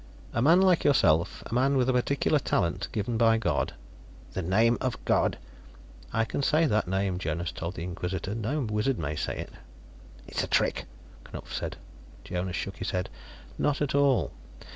"A man like yourself, a man with a particular talent, given by God." "The name of God " "I can say that name," Jonas told the Inquisitor. "No wizard may say it." "It is a trick," Knupf said. Jonas shook his head. "Not at all.